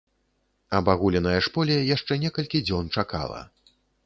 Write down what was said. Абагуленае ж поле яшчэ некалькі дзён чакала.